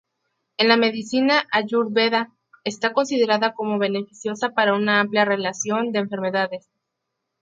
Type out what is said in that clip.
En la medicina Ayurveda, está considerada como beneficiosa para una amplia relación de enfermedades.